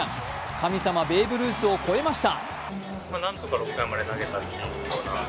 神様、ベーブ・ルースを超えました。